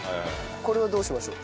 これをどうしましょう？